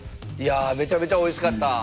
いやめちゃめちゃおいしかった！